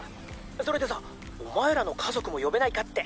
それでさお前らの家族も呼べないかって。